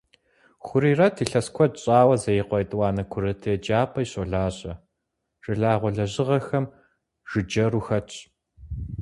Хурирэт илъэс куэд щӏауэ Зеикъуэ етӏуанэ курыт еджапӏэи щолажьэ, жылагъуэ лэжьыгъэхэм жыджэру хэтщ.